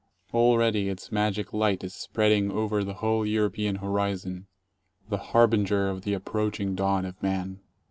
Already its magic light is spread ing over the whole European horizon, the harbinger of the approach ing Dawn of Man.